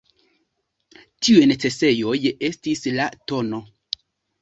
Tiuj necesejoj estis la tn.